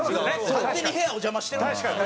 勝手に部屋お邪魔してるんですから。